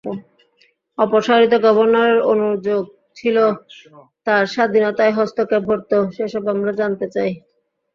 অপসারিত গভর্নরের অনুযোগ ছিল তাঁর স্বাধীনতায় হস্তক্ষেপ ঘটত, সেসব আমরা জানতে চাই।